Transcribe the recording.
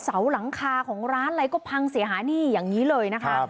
เสาหลังคาของร้านอะไรก็พังเสียหายนี่อย่างนี้เลยนะคะ